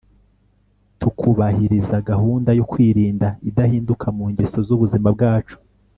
tukubahiriza gahunda yo kwirinda idahinduka mu ngeso z'ubuzima bwacu